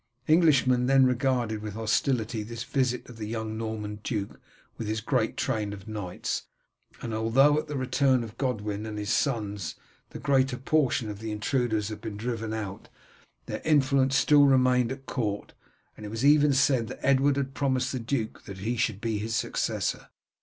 Englishmen then regarded with hostility this visit of the young Norman duke with his great train of knights, and although at the return of Godwin and his sons the greater portion of the intruders had been driven out, their influence still remained at court, and it was even said that Edward had promised the duke that he should be his successor.